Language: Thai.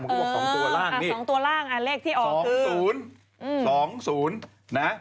มันก็บอก๒ตัวล่างนี่๒ตัวล่างเลขที่ออกคือ